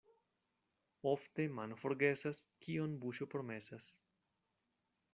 Ofte mano forgesas, kion buŝo promesas.